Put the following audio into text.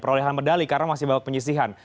perolehan medali karena masih babak penyisihan